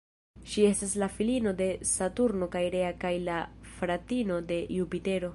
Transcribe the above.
Ŝi estas la filino de Saturno kaj Rea kaj la fratino de Jupitero.